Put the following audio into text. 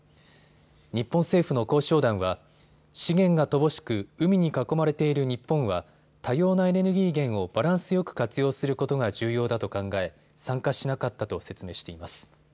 日本政府の交渉団は資源が乏しく海に囲まれている日本は多様なエネルギー源をバランスよく活用することが重要だと考え、参加しなかったと説明しています。